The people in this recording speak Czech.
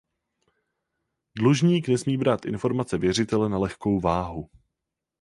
Dlužník nesmí brát informace věřitele na lehkou váhu.